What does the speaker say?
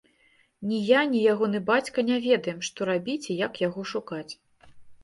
Ні я, ні ягоны бацька не ведаем, што рабіць і як яго шукаць.